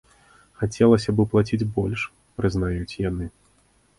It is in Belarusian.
Хацелася бы плаціць больш, прызнаюць яны.